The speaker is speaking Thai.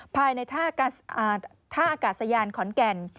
ภายในท่าอากาศยานขอนแก่น